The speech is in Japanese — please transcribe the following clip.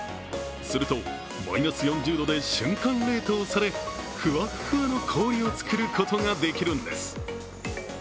すると、マイナス４０度で瞬間冷凍され、ふわっふわの氷を作ることができるんです。